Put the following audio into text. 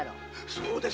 そうです！